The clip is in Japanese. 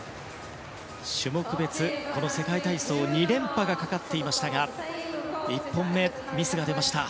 種目別、この世界体操２連覇がかかっていましたが１本目、ミスが出ました。